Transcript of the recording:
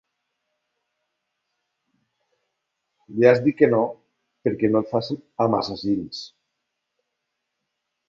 Li has dit que no perquè no et fas amb assassins.